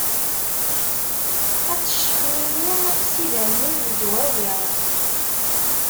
Ad teccexmimi s yidammen d dwawi.